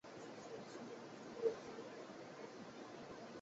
伊达宗信日本江户时代初期武将。